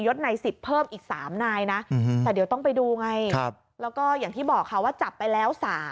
ใน๑๐เพิ่มอีก๓นายนะแต่เดี๋ยวต้องไปดูไงแล้วก็อย่างที่บอกค่ะว่าจับไปแล้ว๓